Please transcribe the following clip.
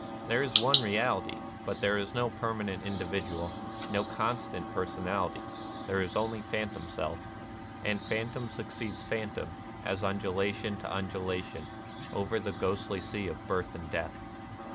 There is one Keality ; but there is no per manent individual, no constant personality : there is only phantom self, and phantom suc ceeds to phantom, as undulation to undula tion, over the ghostly Sea of Birth and Death.